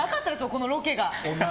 このロケは。